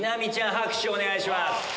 拍手お願いします。